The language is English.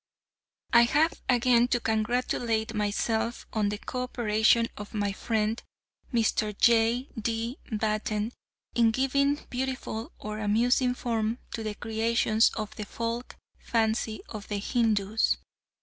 I have again to congratulate myself on the co operation of my friend Mr. J. D. Batten in giving beautiful or amusing form to the creations of the folk fancy of the Hindoos.